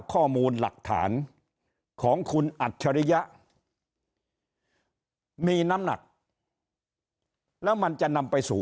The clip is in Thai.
ข้อมูลหลักฐานของคุณอัจฉริยะมีน้ำหนักแล้วมันจะนำไปสู่